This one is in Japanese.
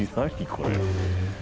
これ。